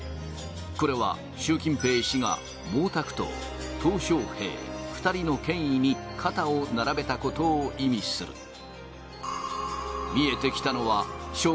これは習近平氏が毛沢東小平２人の権威に肩を並べたことを意味する。